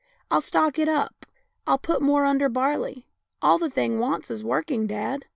" I'll stock it up, I'll put more under barley. All the thing wants is working, dad.